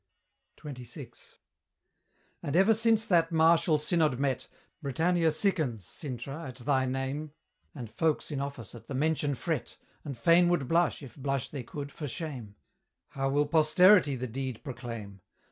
XXVI. And ever since that martial synod met, Britannia sickens, Cintra, at thy name; And folks in office at the mention fret, And fain would blush, if blush they could, for shame. How will posterity the deed proclaim!